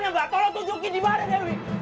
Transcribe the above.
di mana mbak tolong tunjukin di mana dewi